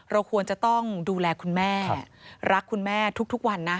เราควรจะต้องดูแลคุณแม่รักคุณแม่ทุกวันนะ